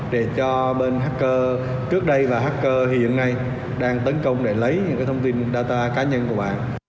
để cho bên hacker trước đây và hacker hiện nay đang tấn công để lấy những thông tin data cá nhân của bạn